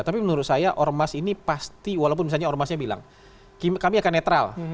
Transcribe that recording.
tapi menurut saya ormas ini pasti walaupun misalnya ormasnya bilang kami akan netral